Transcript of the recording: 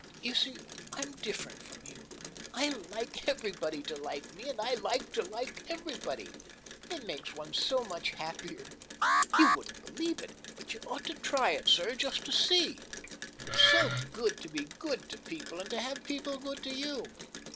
You see I'm different from you. I like everybody to like me and I like to like everybody. It makes one so much happier. You wouldn't believe it, but you ought to try it, sir, just to see. It's so good to be good to people and to have people good to you.